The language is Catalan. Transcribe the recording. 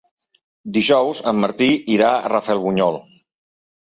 Dijous en Martí irà a Rafelbunyol.